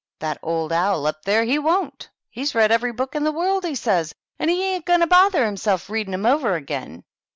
That old owl up there, he won't. He's read every book in the world, he says, and he ain't going to bother him self reading 'em over again."